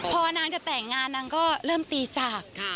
พอนางจะแต่งงานนางก็เริ่มตีจาก